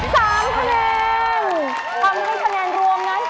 ๑๓คะแนน